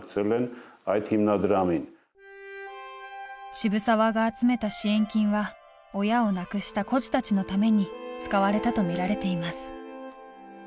渋沢が集めた支援金は親を亡くした孤児たちのために使われたと見られています。